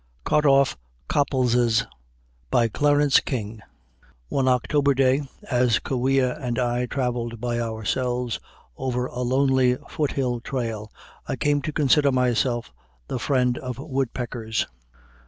] CUT OFF COPPLES'S CLARENCE KING One October day, as Kaweah and I traveled by ourselves over a lonely foothill trail, I came to consider myself the friend of woodpeckers.